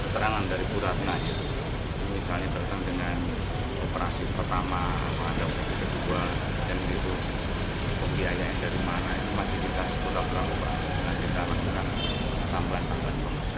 pemeriksaan kali ini berfokus pada operasi plastik yang dilakukan ratna